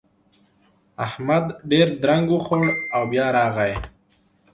احمد ډېر درنګ وخوړ او بيا راغی.